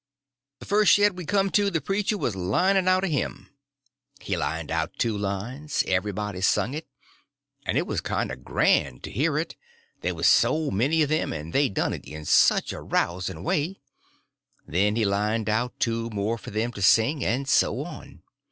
The first shed we come to the preacher was lining out a hymn. He lined out two lines, everybody sung it, and it was kind of grand to hear it, there was so many of them and they done it in such a rousing way; then he lined out two more for them to sing—and so on.